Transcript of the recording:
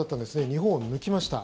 日本を抜きました。